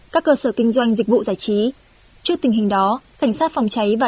các cơ sở kinh doanh dịch vụ giải trí trước tình hình đó cảnh sát phòng cháy và